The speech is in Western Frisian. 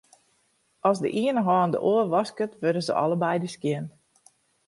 As de iene hân de oar wasket, wurde se allebeide skjin.